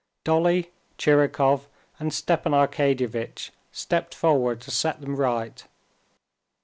Dolly, Tchirikov, and Stepan Arkadyevitch stepped forward to set them right.